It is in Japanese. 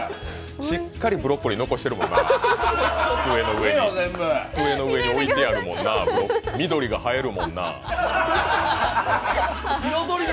しっかりブロッコリー残してるもんな、机の上に置いてあるもんな、緑が映えるもんな。